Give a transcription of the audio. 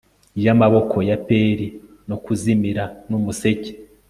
yamaboko ya peri no kuzimira numuseke